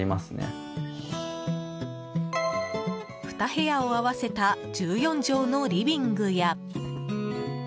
２部屋を合わせた１４畳のリビングや。